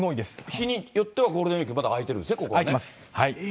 日によっては、ゴールデンウィーク、まだ空いてるんですね？